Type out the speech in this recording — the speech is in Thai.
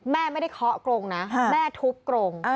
แม่ไม่ได้เคาะกรงนะแม่ทุบกรง